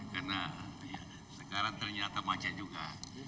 karena sekarang ternyata macet juga